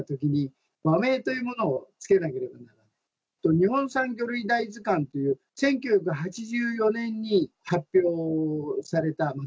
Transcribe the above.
『日本産魚類大図鑑』という１９８４年に発表された図鑑。